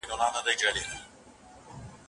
څېړنه د کومو ژبنیو اصولو پیروي کوي؟